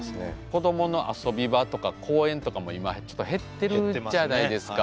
子供の遊び場とか公園とかも今ちょっと減ってるじゃないですか。